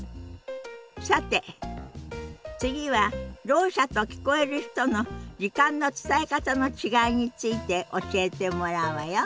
さて次はろう者と聞こえる人の時間の伝え方の違いについて教えてもらうわよ。